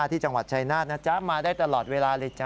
ที่จังหวัดชายนาฏนะจ๊ะมาได้ตลอดเวลาเลยจ๊